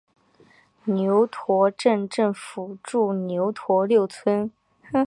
牛驼镇镇政府驻牛驼六村。